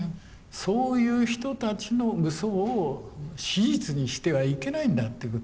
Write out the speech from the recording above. そういう人たちのうそを史実にしてはいけないんだっていうことなの。